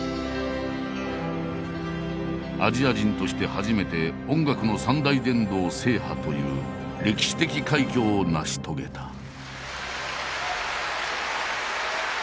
アジア人として初めて音楽の３大殿堂制覇という歴史的快挙を成し遂げた。